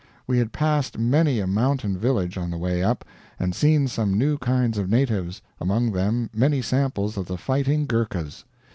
We had passed many a mountain village on the way up, and seen some new kinds of natives, among them many samples of the fighting Ghurkas.